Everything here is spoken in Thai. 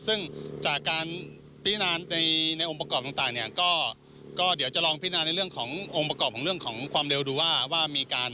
ซึ่งจากการพินานในองค์ประกอบต่างเนี่ยก็เดี๋ยวจะลองพินานในองค์ประกอบของเรื่องของความเร็วดูว่า